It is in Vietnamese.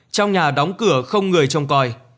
trong nhà đóng cửa không người trong coi